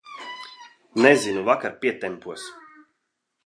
Nezinu, vakar pietempos.